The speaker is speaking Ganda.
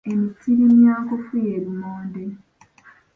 Emitirimyankofu ye lumonde.